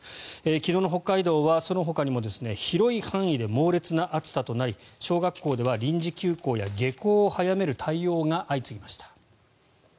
昨日の北海道はそのほかにも広い範囲で猛烈な暑さとなり小学校では臨時休校や下校を早める対応が相次ぎました。